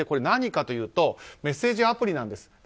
何かというとメッセージアプリなんです。